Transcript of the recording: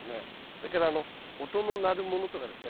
それから音の鳴るものとかですね